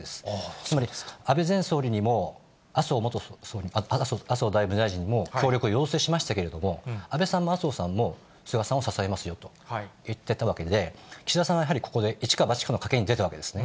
つまり、安倍前総理にも麻生財務大臣にも協力を要請しましたけれども、安倍さんも麻生さんも、菅さんを支えますよと言っていたわけで、岸田さんはやはりここで、いちかばちかの賭けに出たわけですね。